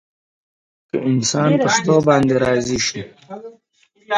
که انسان په شتو باندې راضي شي.